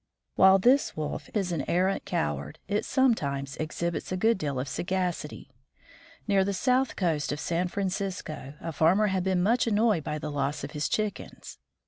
While this Wolf is an arrant coward, it sometimes exhibits a good deal of sagacity. Near the south coast of San Francisco a farmer had been much annoyed by the loss of his Chickens.